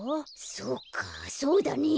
そうかそうだね。